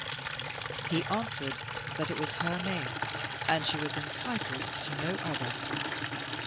He answered that it was her name, and she was entitled to no other.